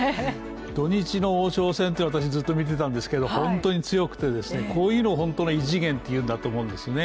土日の王将戦ってずっと見てたんですけど本当に強くてこういうのを本当に異次元と言うんだと思うんですね。